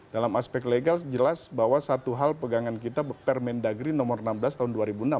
dalam aspek legal jelas bahwa satu hal pegangan kita permendagri nomor enam belas tahun dua ribu enam belas